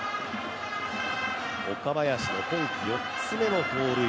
岡林の今季４つめの盗塁。